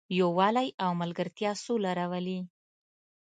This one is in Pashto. یووالی او ملګرتیا سوله راولي.